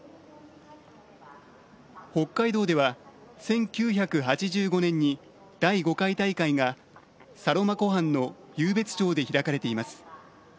北海道では、１９８５年に第５回大会がサロマ湖畔の湧別町で開かれています。